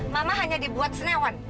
mama hanya dibuat senewan